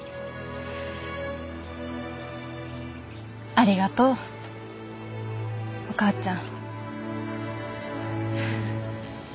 ありがとうお母ちゃん。